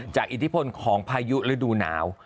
อิทธิพลของพายุฤดูหนาว